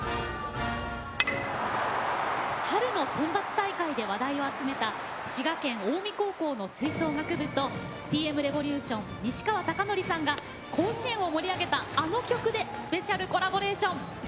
春のセンバツ大会で話題を集めた滋賀県近江高校の吹奏楽部とＴ．Ｍ．Ｒｅｖｏｌｕｔｉｏｎ西川貴教さんが甲子園を盛り上げたあの曲でスペシャルコラボレーション。